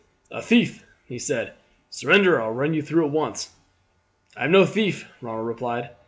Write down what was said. "A thief!" he said. "Surrender, or I will run you through at once." "I am no thief," Ronald replied.